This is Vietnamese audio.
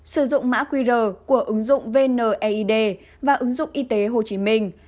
sử dụng mã qr của ứng dụng vneid và ứng dụng y tế hồ chí minh